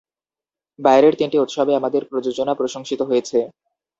বাইরের তিনটি উৎসবে আমাদের প্রযোজনা প্রশংসিত হয়েছে।